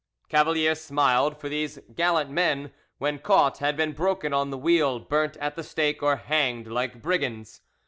Cavalier smiled; for these "gallant men" when caught had been broken on the wheel, burnt at the stake, or hanged like brigands.